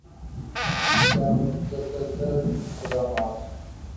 اس کا متشدد اقدامات